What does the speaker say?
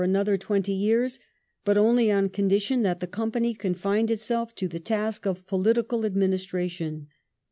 104 THE RULE OF THE WHIGS [1830 twenty years, but only ou condition that the Company confined itself to the task of political administration.